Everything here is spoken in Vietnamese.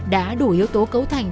đã đủ yếu tố cấu thành